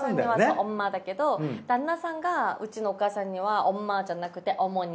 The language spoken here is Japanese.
「オンマ」だけど旦那さんがうちのお母さんには「オンマ」じゃなくて「オモニ」。